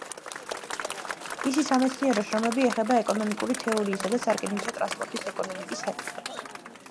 მისი სამეცნიერო შრომები ეხება ეკონომიკური თეორიისა და სარკინიგზო ტრანსპორტის ეკონომიკის საკითხებს.